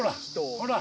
ほら！